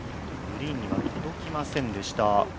グリーンには届きませんでした。